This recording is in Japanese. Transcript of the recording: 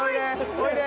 おいで。